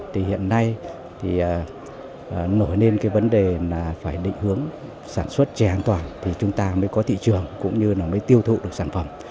thì hiện nay thì nổi lên cái vấn đề là phải định hướng sản xuất chè an toàn thì chúng ta mới có thị trường cũng như là mới tiêu thụ được sản phẩm